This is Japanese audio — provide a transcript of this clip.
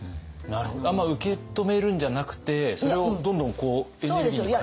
あんま受け止めるんじゃなくてそれをどんどんエネルギーに変えていく？